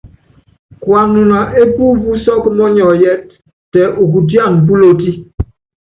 Kuanuna epuepú sɔ́kɔ́ mɔniɔyítɛ, tɛ ukutiánan púloti.